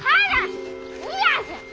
嫌じゃ！